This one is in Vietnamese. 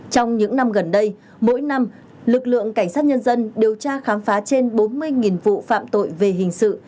trong những năm gần đây mỗi năm lực lượng cảnh sát nhân dân điều tra khám phá trên bốn mươi vụ phạm tội về hình sự